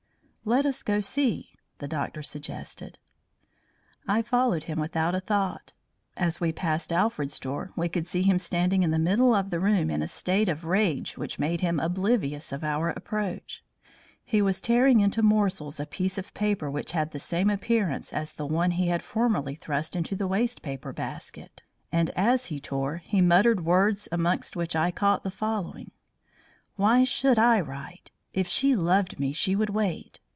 "Let us go see!" the doctor suggested. I followed him without a thought. As we passed Alfred's door, we could see him standing in the middle of the room in a state of rage which made him oblivious of our approach. He was tearing into morsels a piece of paper which had the same appearance as the one he had formerly thrust into the waste paper basket, and as he tore, he muttered words amongst which I caught the following: "Why should I write? If she loved me she would wait.